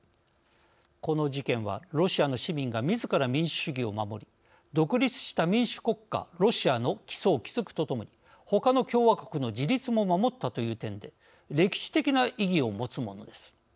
この事件は、ロシアの市民がみずから民主主義を守り独立した民主国家ロシアの基礎を築くとともにほかの共和国の自立も守ったという点で歴史的な意義を持つものです。